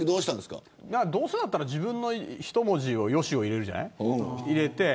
どうせだったら自分の１文字の良を入れるじゃない。